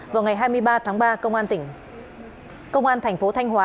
vào ngày hai mươi ba tháng ba công an tỉnh công an thành phố thanh hóa